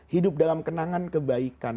hidup dalam kenangan kebaikan